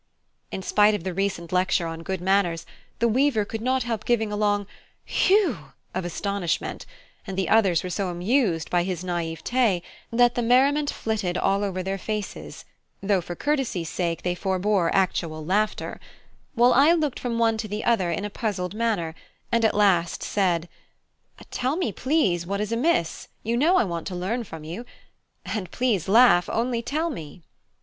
In spite of the recent lecture on good manners, the weaver could not help giving a long "whew" of astonishment, and the others were so amused by his naivete that the merriment flitted all over their faces, though for courtesy's sake they forbore actual laughter; while I looked from one to the other in a puzzled manner, and at last said: "Tell me, please, what is amiss: you know I want to learn from you. And please laugh; only tell me."